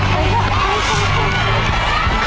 จะทำเวลาไหมครับเนี่ย